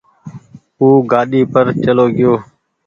او گآڏي پر چلو گئيو